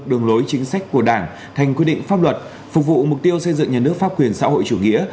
đường lối chính sách của đảng thành quy định pháp luật phục vụ mục tiêu xây dựng nhà nước pháp quyền xã hội chủ nghĩa